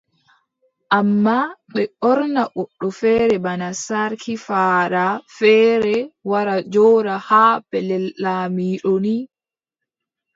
Ammaa ɓe ɓorna goɗɗo feere bana sarki faada feere wara jooɗa haa pellel laamiiɗo ni.